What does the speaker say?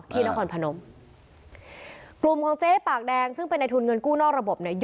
นครพนมกลุ่มของเจ๊ปากแดงซึ่งเป็นในทุนเงินกู้นอกระบบเนี่ย